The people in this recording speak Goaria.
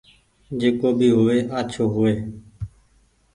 جڪو بي هووي آچهو هووي